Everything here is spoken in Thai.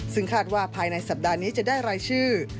ซึ่งคาดว่าภายในสัปดาห์นี้จะได้รายชื่อ